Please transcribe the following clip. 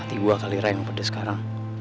hati gua kali ray yang pedes sekarang